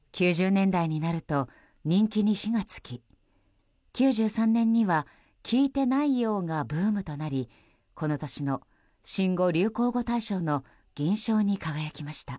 ９０年代になると人気に火が付き９３年には聞いてないよォがブームとなりこの年の新語・流行語大賞の銀賞に輝きました。